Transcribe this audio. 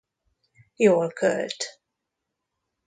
Jól költ.